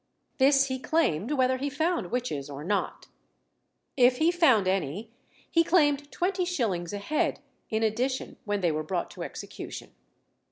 This he claimed whether he found witches or not. If he found any, he claimed twenty shillings a head in addition when they were brought to execution.